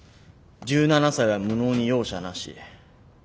１７才は無能に容赦なし」。